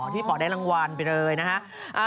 ที่ป่อได้รางวัลไปเลยนะฮะ